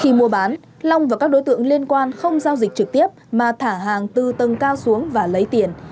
khi mua bán long và các đối tượng liên quan không giao dịch trực tiếp mà thả hàng từ tầng cao xuống và lấy tiền